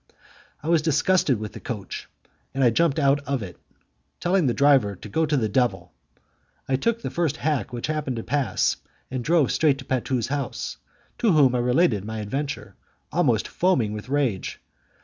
I was disgusted with the coach, and I jumped out of it, telling the driver to go to the devil. I took the first hack which happened to pass, and drove straight to Patu's house, to whom I related my adventure, almost foaming with rage.